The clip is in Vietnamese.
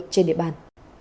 trên địa bàn